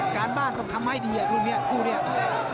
การบ้านต้องทำให้ดีอ่ะทุกหนึ่ง